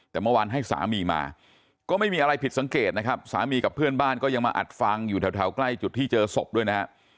แต่เมื่อวานให้สามีมาก็ไม่มีอะไรผิดสังเกตนะครับสามีกับเพื่อนบ้านก็ยังมาอัดฟังอยู่แถวใกล้จุดที่เจอศพด้วยนะฮะ